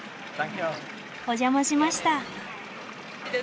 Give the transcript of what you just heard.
お邪魔しました。